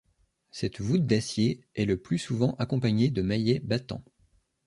Cette voûte d'acier est le plus souvent accompagnée de maillets battants.